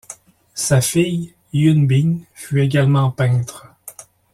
Sa fille, Yun Bing fut également peintre.